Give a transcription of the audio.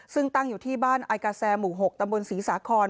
ซึ่งตั้งอยู่ที่บ้านไอกาแซหมู่๖ตำบลศรีสาคอน